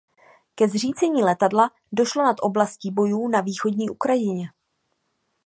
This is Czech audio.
Ke zřícení letadla došlo nad oblastí bojů na východní Ukrajině.